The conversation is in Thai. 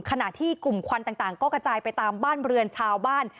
ขณะที่กลุ่มควันต่างก็กระจายไปตามบ้านเรือนชาวบ้าน